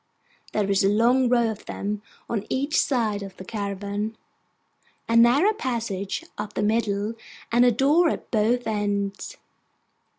There is a long row of them on each side of the caravan, a narrow passage up the middle, and a door at both ends.